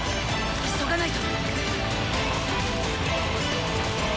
急がないと！